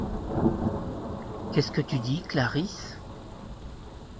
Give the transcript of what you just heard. Qu’est-ce que tu dis Clarisse ?